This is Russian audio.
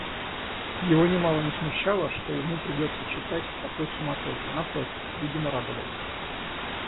Его нимало не смущало, что ему придется читать в такой суматохе, напротив, видимо радовало.